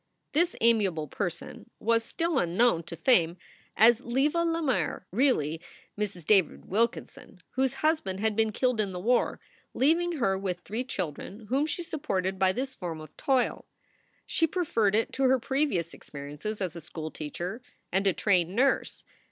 This amiable person was still unknown to fame as Leva SOULS FOR SALE 129 Lemaire, really Mrs. David Wilkinson, whose husband had been killed in the war, leaving her with three children whom she supported by this form of toil. She preferred it to her previous experiences as a school teacher and a trained nurse.